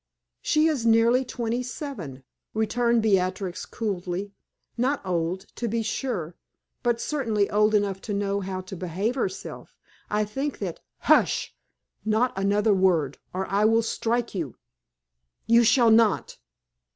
"She is nearly twenty seven," returned Beatrix, coolly. "Not old, to be sure, but certainly old enough to know how to behave herself. I think that " "Hush! Not another word, or I will strike you!" "You shall not!"